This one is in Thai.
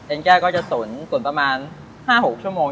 เอ็นแก้วก็จะตุ๋นประมาณ๕๖ชั่วโมง